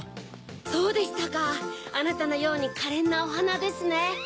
そうでしたかあなたのようにかれんなおはなですね。